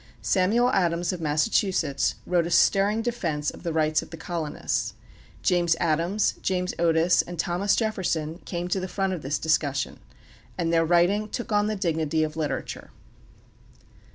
Samuel Adams of Massachusetts wrote a stirring defense of the rights of the colonists. James Adams, James Otis, and Thomas Jefferson came to the front in this discussion; and their writing took on the dignity of literature.